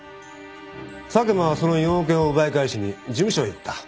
佐久間はその４億円を奪い返しに事務所へ行った。